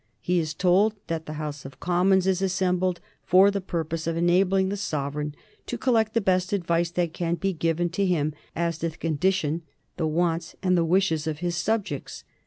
He is told that the House of Commons is assembled for the purpose of enabling the sovereign to collect the best advice that can be given to him as to the condition, the wants, and the wishes of his subjects.